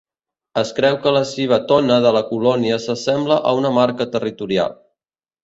Es creu que la civetona de la colònia s'assembla a una marca territorial.